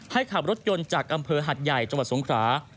ขับรถยนต์จากอำเภอหัดใหญ่จังหวัดสงขรา